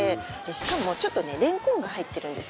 しかもちょっとねレンコンが入ってるんです。